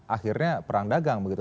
akhirnya perang dagang begitu